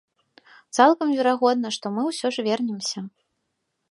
Цалкам верагодна, што мы ўсё ж вернемся.